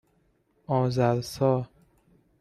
آذرسا